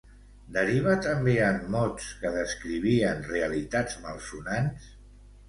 Deriva també en mots que descrivien realitats malsonants?